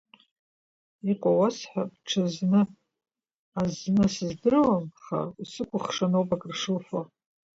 Иҟоу уасҳәап, ҽазны-азны сыздыруам, аха усыкәыхшаноуп акыршуфо!